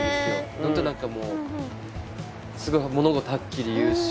ホント何かもうすごい物事はっきり言うし。